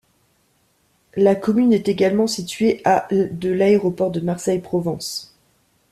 La commune est également située à de l'aéroport de Marseille Provence.